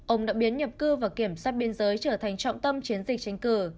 ông đã biến nhập cư và kiểm soát biên giới trở thành trọng tâm chiến dịch tranh cử